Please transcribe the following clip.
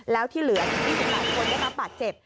แล้วที่เหลือ๒๐หลายคนก็รับปัดเจ็บ